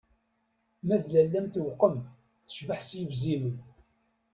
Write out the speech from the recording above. Ma d lalla-m tewqem, tecbeḥ s yebzimen.